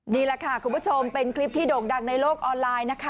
นี่แหละค่ะคุณผู้ชมเป็นคลิปที่โด่งดังในโลกออนไลน์นะคะ